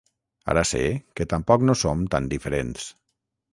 Ara sé que tampoc no som tan diferents.